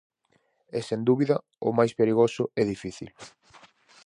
É sen dúbida o máis perigoso e difícil.